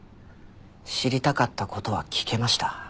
知りたかった事は聞けました。